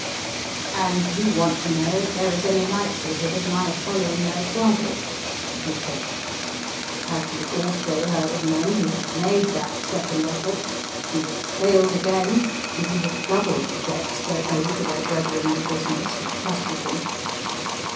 "And you want to know if there is any likelihood of my following their example?" he said. "Have you also heard of men who have made that second effort who have failed again and who have doubled the debts they owed to their brethren in business who trusted them?